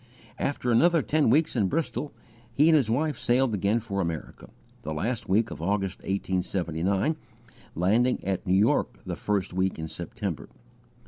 After another ten weeks in Bristol, he and his wife sailed again for America, the last week of August, 1879, landing at New York the first week in September.